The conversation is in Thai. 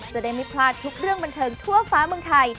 จะได้ไม่พลาดทุกเรื่องบันเทิงทั่วฟ้าเมืองไทย